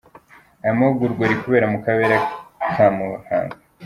Aya mahugurwa arimo kubera mu Karere ka Muhanga.